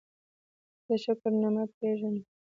زه د شکر نعمت پېژنم.